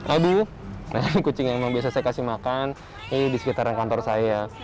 aduh kucing yang memang biasa saya kasih makan ini di sekitar kantor saya